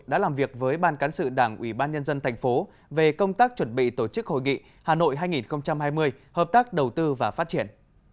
đã làm việc với ban cán sự đảng ubnd tp về công tác chuẩn bị tổ chức hội nghị hà nội hai nghìn hai mươi hợp tác đầu tư và phát triển